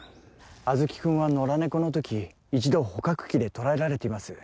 あずき君は野良ネコの時一度捕獲器で捕らえられています